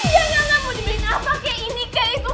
gak mau dibeliin apa